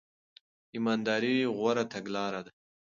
ایمانداري غوره تګلاره ده.